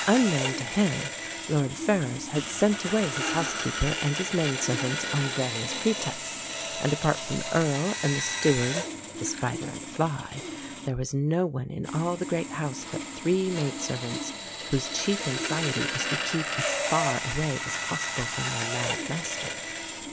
Unknown to him, Lord Ferrers had sent away his housekeeper and his menservants on various pretexts; and, apart from the Earl and the steward (the spider and the fly), there was no one in all the great house but three maidservants, whose chief anxiety was to keep as far away as possible from their mad master.